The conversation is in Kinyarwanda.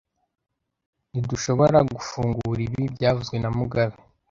Ntidushobora gufungura ibi byavuzwe na mugabe